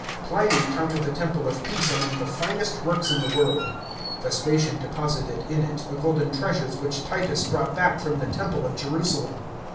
Pliny counted the temple of Peace among the finest works in the world. Vespasian depo. ited in it the golden treasures which Titus brought back from the temple of Jerusalem.